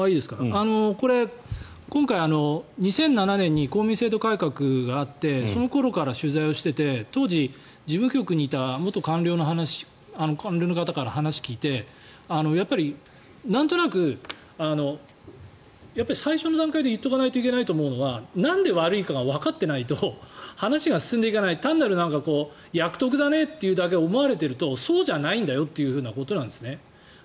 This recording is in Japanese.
これ今回、２００７年に公務員制度改革があってその頃から取材をしていて当時、事務局にいた元官僚の方から話を聞いてやっぱり、なんとなく最初の段階で言っておかなきゃいけないと思うのでなんで悪いかがわかってないと話が進んでいかない単なる役得だねっていうだけ思われているとそうじゃないんだよっていうことなんですね。